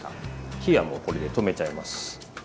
火はもうこれで止めちゃいます。